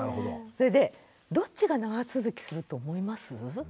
それでどっちが長続きすると思います？